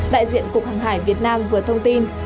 đại diện cục hàng hải việt nam vừa thông tin